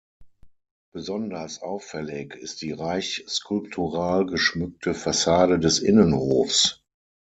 Besonders auffällig ist die reich skulptural geschmückte Fassade des Innenhofs.